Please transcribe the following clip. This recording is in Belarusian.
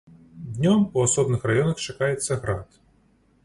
Днём у асобных раёнах чакаецца град.